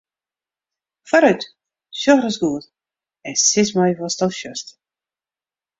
Foarút, sjoch ris goed en sis my watsto sjochst.